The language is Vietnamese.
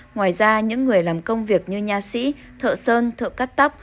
ngoài ra những người làm công việc như nha sĩ thợ sơn thợ cắt tóc